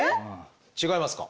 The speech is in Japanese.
違いますか？